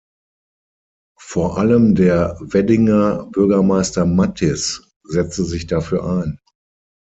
Vor allem der Weddinger Bürgermeister Mattis setzte sich dafür ein.